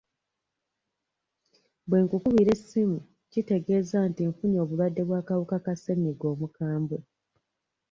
Bwe nkukubira essimu, kitegeeza nti nfunye obulwadde bw'akawuka ka ssenyiga omukambwe.